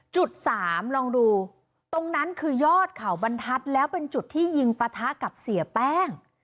จุดสามลองดูตรงนั้นคือยอดเขาบรรทัศน์แล้วเป็นจุดที่ยิงปะทะกับเสียแป้ง